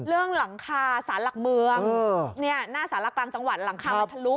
เรื่องหลังคาศาลหลักเมืองเนี่ยหน้าศาลหลักกลางจังหวัดหลังคามันทะลุ